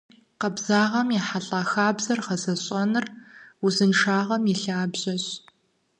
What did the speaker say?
Къабзагъэм ехьэлӏа хабзэхэр гъэзэщӏэныр узыншагъэм и лъабжьэщ.